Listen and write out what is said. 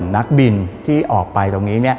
นักบินที่ออกไปตรงนี้